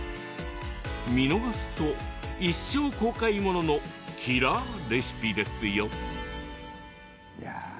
見逃すと、一生後悔もののキラーレシピですよ。